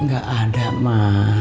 ngga ada ma